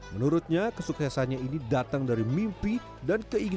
menurutnya kesuksesannya ini datang dari mimpi dan keinginan